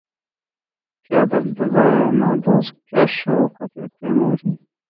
کیا دبدبۂ نادر کیا شوکت تیموری